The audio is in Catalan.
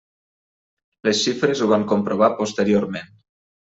Les xifres ho van comprovar posteriorment.